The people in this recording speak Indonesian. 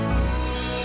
di video selanjutnya